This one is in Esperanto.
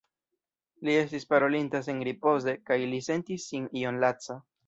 Li estis parolinta senripoze, kaj li sentis sin iom laca.